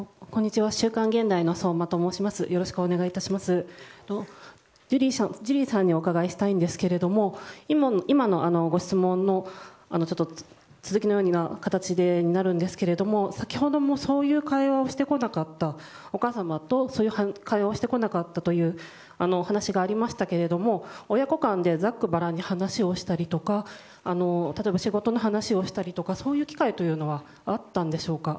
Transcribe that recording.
今日はないということはジュリーさんにお伺いしたいんですけども今のご質問の続きのような形になるんですが先ほどもそういう会話をしてこなかったお母様と、そういう会話をしてこなかったというお話がありましたが親子間でざっくばらんに話をしたりとか例えば、仕事の話をしたりとかそういう機会というのはあったんでしょうか？